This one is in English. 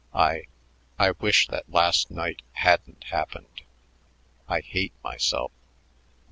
I I wish that last night hadn't happened. I hate myself."